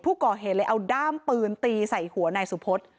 ผู้ก่อเหตุเลยเอาด้ามปืนตีใส่หัวนายสุพฤษ